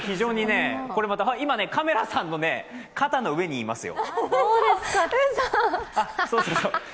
今、カメラさんの肩の上にいますよ